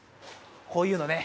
こういうのね。